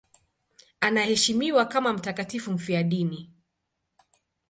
Anaheshimiwa kama mtakatifu mfiadini.